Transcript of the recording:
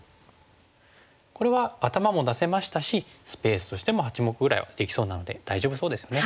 これは頭も出せましたしスペースとしても八目ぐらいはできそうなので大丈夫そうですよね。